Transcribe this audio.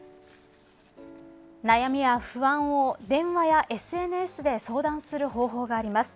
悩みや不安を電話やＳＮＳで相談する方法があります。